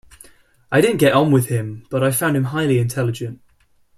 I didn't get on with him but I found him highly intelligent.